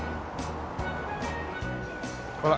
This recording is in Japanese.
ほら。